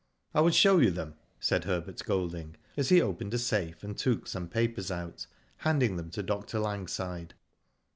I will show you them," said Herbert Golding, as he opened a safe and took some papers out, handing them to 'Dr. Langside.